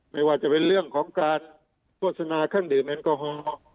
ไม่ว่าจะเป็นเรื่องของการโฆษณาขั้นหรือแมนกอฮอล์